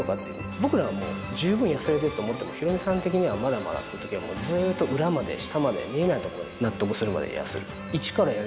僕らはもう、十分やすれてると思ってもヒロミさん的にはまだまだっていうときはもうずっと裏まで下まで見えない所まで。